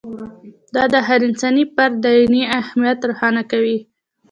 دا د هر انساني فرد عیني اهمیت روښانه کوي.